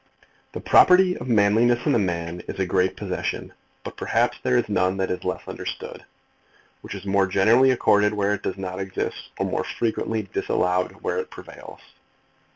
The property of manliness in a man is a great possession, but perhaps there is none that is less understood, which is more generally accorded where it does not exist, or more frequently disallowed where it prevails.